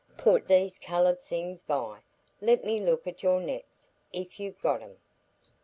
Put these coloured things by; let me look at your nets, if you've got 'em."